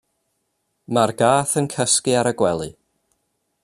Mae'r gath yn cysgu ar y gwely.